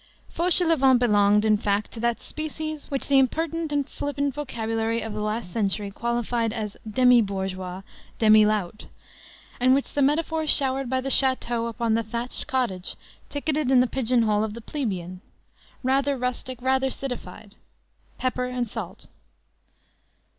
Fauchelevent belonged, in fact, to that species, which the impertinent and flippant vocabulary of the last century qualified as demi bourgeois, demi lout, and which the metaphors showered by the château upon the thatched cottage ticketed in the pigeon hole of the plebeian: rather rustic, rather citified; pepper and salt.